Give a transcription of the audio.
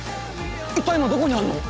一体今どこにあんの？